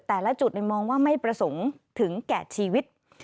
แต่ละจุดมองว่าไม่ประสงค์ถึงแก่ชีวิต